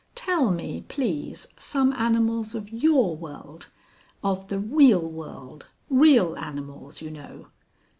"Tell me please. Some animals of your world ... of the Real World, real animals you know."